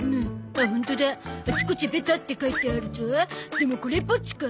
でもこれっぽっちか？